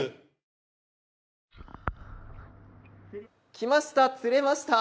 きました、釣れました！